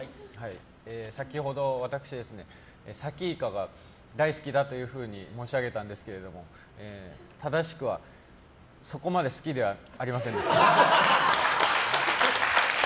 先ほど、私サキイカが大好きだというふうに申し上げたんですけど正しくは、そこまで好きではありませんでした。